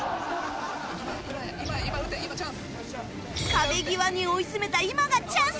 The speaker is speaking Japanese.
壁際に追い詰めた今がチャンス